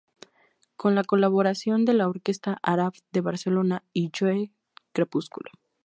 Con la colaboración de la Orquesta Arab de Barcelona y Joe Crepúsculo.